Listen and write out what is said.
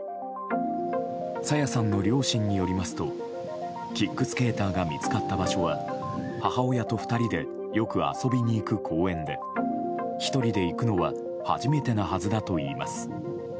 朝芽さんの両親によりますとキックスケーターが見つかった場所は母親と２人でよく遊びに行く公園で１人で行くのは初めてなはずだといいます。